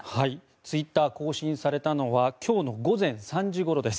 ツイッター更新されたのは今日の午前３時ごろです。